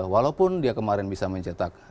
walaupun dia kemarin bisa mencetak